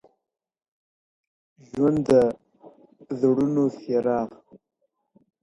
ژوند د زړونو څراغ